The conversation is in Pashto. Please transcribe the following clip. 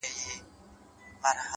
یوه خولگۍ خو مسته؛ راته جناب راکه؛